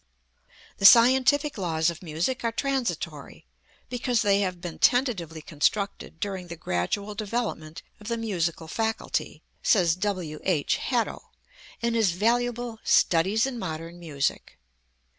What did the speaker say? "The scientific laws of music are transitory, because they have been tentatively constructed during the gradual development of the musical faculty," says W. H. Hadow, in his valuable "Studies in Modern Music."